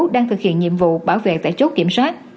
đang thực hiện nhiệm vụ bảo vệ tại chốt kiểm soát